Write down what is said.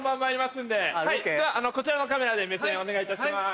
ではこちらのカメラで目線お願いいたします。